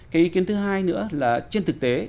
cái ý kiến thứ hai nữa là trên thực tế